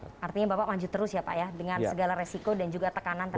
artinya bapak maju terus ya pak ya dengan segala resiko dan juga tekanan tadi